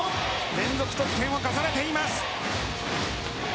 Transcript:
連続得点を重ねています。